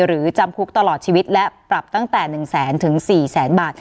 จำคุกตลอดชีวิตและปรับตั้งแต่๑แสนถึง๔แสนบาท